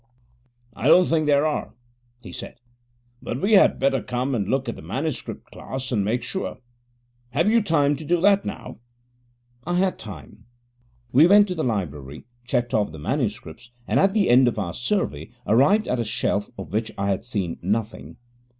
'I don't think there are,' he said, 'but we had better come and look at the manuscript class and make sure. Have you time to do that now?' I had time. We went to the library, checked off the manuscripts, and, at the end of our survey, arrived at a shelf of which I had seen nothing.